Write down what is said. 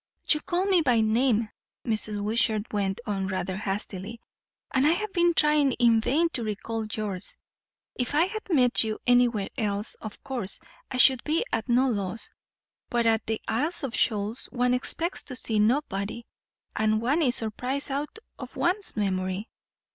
"You call me by name," Mrs. Wishart went on rather hastily; "and I have been trying in vain to recall yours. If I had met you anywhere else, of course I should be at no loss; but at the Isles of Shoals one expects to see nobody, and one is surprised out of one's memory."